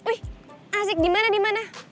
wih asik dimana dimana